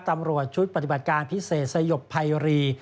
ตำรวจชุดปฏิบัติการพิเศษสยบภัยรี